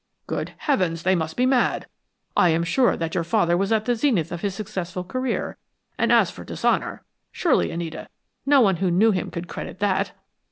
"Good Heavens, they must be mad! I am sure that your father was at the zenith of his successful career, and as for dishonor, surely, Anita, no one who knew him could credit that!"